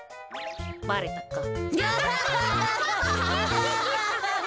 ばれたか。